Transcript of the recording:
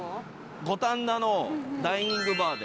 五反田のダイニングバーで。